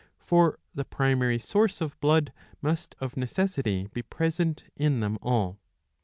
For the primary source of blood must of necessity be present in them all.